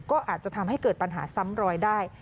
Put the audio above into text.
ก็อาจจะทำให้เกิดปัญหาซ้ำรอยได้